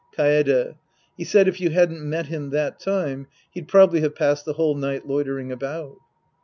Kaede. He said if you hadn't met him that time, he'd probably have passed the whole night loiter ing about.